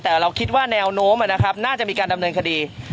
แต่เราคิดว่าแนวโน้มนะครับน่าจะมีการดำเนินคดี